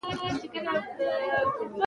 اداري اصول د حساب ورکونې اصل پلي کوي.